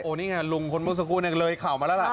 โอ้นี่ไงลุงคนบุษกูเนี่ยเลยข่าวมาแล้วล่ะ